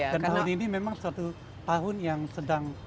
dan tahun ini memang satu tahun yang sedang